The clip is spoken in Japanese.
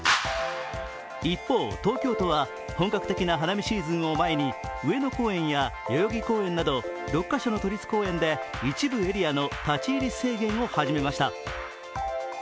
一方、東京都は本格的な花見シーズンを前に上野公園や代々木公園など６カ所の都立公園で一部エリアの立ち入り制限を始めました。